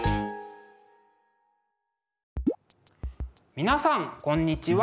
皆さんこんにちは。